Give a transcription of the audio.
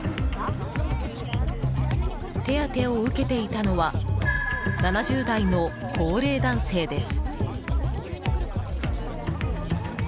手当てを受けていたのは７０代の高齢男性です。